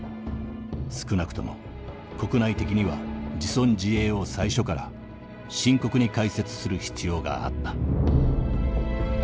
少なくとも国内的には自存自衛を最初から深刻に解説する必要があった」。